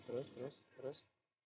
terus terus terus